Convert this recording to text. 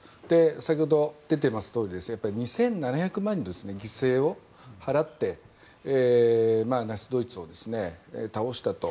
先ほども出ていましたとおり２７００万人の犠牲を払ってナチスドイツを倒したと。